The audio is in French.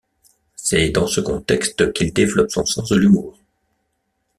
C'est dans ce contexte qu'il développe son sens de l'humour.